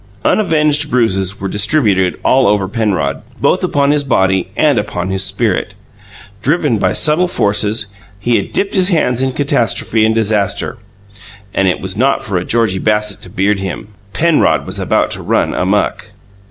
Unavenged bruises were distributed all over Penrod, both upon his body and upon his spirit. Driven by subtle forces, he had dipped his hands in catastrophe and disaster: it was not for a Georgie Bassett to beard him. Penrod was about to run amuck.